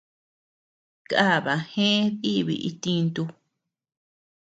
Kaba gëe diibi itintu.